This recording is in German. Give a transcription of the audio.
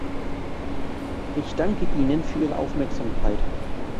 Ich danke Ihnen für Ihre Aufmerksamkeit!